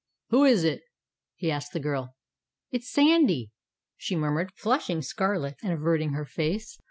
"Who is it?" he asked the girl. "It's Sandy," she murmured, flushing scarlet and averting her face.